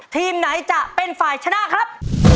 ทีมไหนจะเป็นฝ่ายชนะครับ